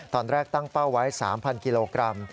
ตอนแรกตั้งเป้าไว้๓๐๐กิโลกรัม